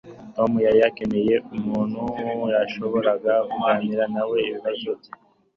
Tom yari akeneye umuntu yashoboraga kuganira nawe ibibazo bye.